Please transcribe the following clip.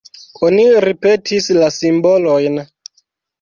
Oni ripetis la simbolojn.